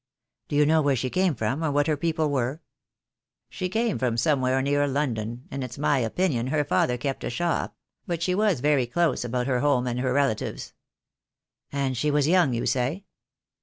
"Do you know where she came from, or what her people were?" "She came from somewhere near London, and it's my opinion her father kept a shop; but she was very close about her home and her relatives." "And she was young, you say?"